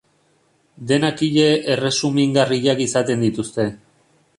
Denak ile erresumingarriak izaten dituzte.